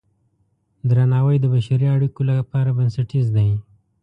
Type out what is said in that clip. درناوی د بشري اړیکو لپاره بنسټیز دی.